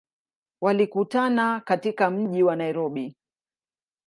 Walikutana katika mji wa Nairobi.